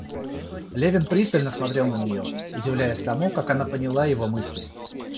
Левин пристально смотрел на нее, удивляясь тому, как она поняла его мысли.